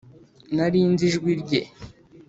nari nzi ijwi rye